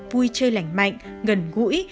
vui chơi lành mạnh gần gũi